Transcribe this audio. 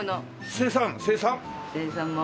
生産も。